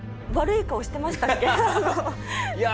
いや